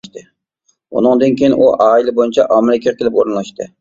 ئۇنىڭدىن كېيىن ئۇ ئائىلە بويىچە ئامېرىكىغا كېلىپ ئورۇنلاشتى.